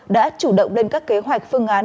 đã chủ động lên các kế hoạch phương án